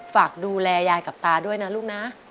ฝากดูแลยายกับตาด้วยนะลูกนะ